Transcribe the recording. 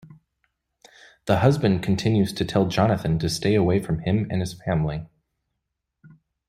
The husband continues to tell Jonathan to stay away from him and his family.